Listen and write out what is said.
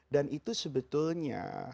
dan itu sebetulnya